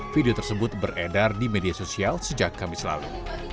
video tersebut beredar di media sosial sejak kamis lalu